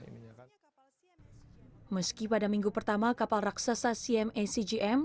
meski pada minggu pertama kapal raksasa cmacgm